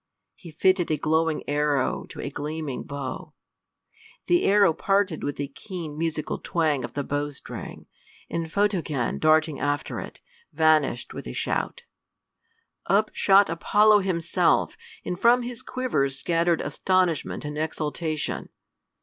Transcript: He fitted a glowing arrow to a gleaming bow. The arrow parted with a keen musical twang of the bowstring, and Photogen darting after it, vanished with a shout. Up shot Apollo himself, and from his quiver scattered astonishment and exultation.